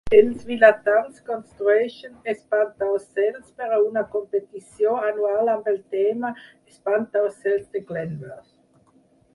Els vilatans construeixen espantaocells per a una competició anual amb el tema "Espantaocells de Glentworth".